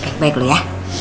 baik dulu ya